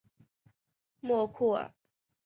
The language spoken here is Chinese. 莫库尔。